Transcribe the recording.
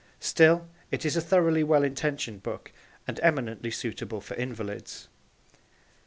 Still it is a thoroughly well intentioned book and eminently suitable for invalids.